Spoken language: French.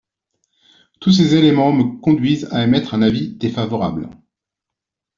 Tous ces éléments me conduisent à émettre un avis défavorable.